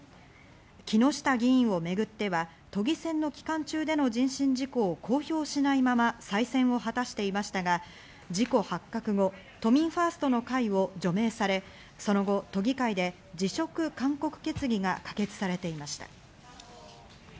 木下議員をめぐっては都議選の期間中での人身事故を公表しないまま再選を果たしていましたが、事故発覚後、都民ファーストの会を除名され、その後、都議会で辞職勧告決議が可決されていました。